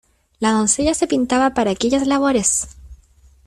La doncella se pintaba para aquellas labores.